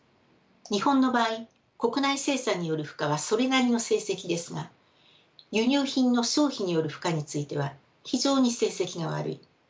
日本の場合国内生産による負荷はそれなりの成績ですが輸入品の消費による負荷については非常に成績が悪い。